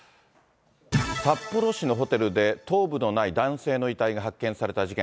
札幌市のホテルで、頭部のない男性の遺体が発見された事件。